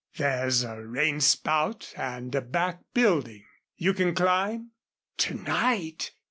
There's a rain spout and a back building. You can climb?" "To night?"